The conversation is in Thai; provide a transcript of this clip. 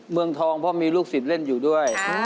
เมืองทองเพราะมีลูกศิษย์เล่นอยู่ด้วย